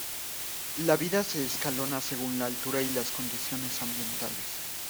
La vida se escalona según la altura y las condiciones ambientales.